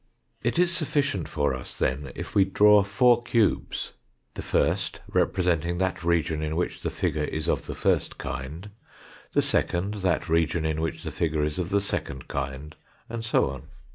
It is sufficient for us, then, if we draw four cubes, the first representing that region in which the figure is of the first kind, the second that region in which the figure is of the second kind, and so on.